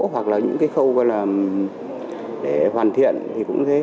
hoặc là những cái khâu gọi là để hoàn thiện thì cũng thế